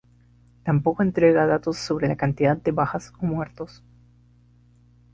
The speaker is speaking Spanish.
Tampoco entrega datos sobre la cantidad de bajas o muertos.